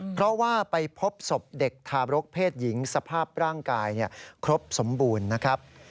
เพราะว่าไปพบศพเด็กทารกเพศหญิงสภาพร่างกายครบสมบูรณ์นะครับ